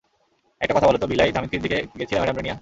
একটা কথা বলো তো, ভিলাই, ধামিত্রির দিকে গেছিলা ম্যাডামরে নিয়া?